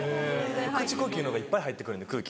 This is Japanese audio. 口呼吸の方がいっぱい入ってくるんで空気。